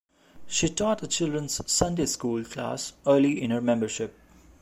She taught a children's Sunday school class early in her membership.